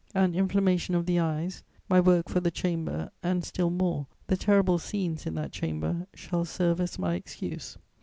An inflammation of the eyes, my work for the Chamber and, still more, the terrible scenes in that Chamber shall serve as my excuse.